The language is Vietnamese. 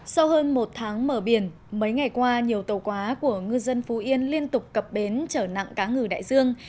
sau hơn một tháng mở biển mấy ngày qua nhiều tàu quá của ngư dân phú yên liên tục cập bến trở nặng cá ngừ đại dương